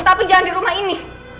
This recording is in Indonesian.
tapi jangan di rumah ini